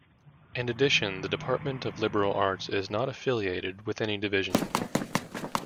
In addition, the department of liberal arts is not affiliated with any division.